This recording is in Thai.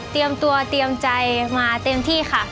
เตรียมตัวเตรียมใจมาเต็มที่ค่ะ